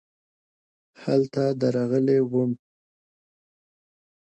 هلته درغلې وم .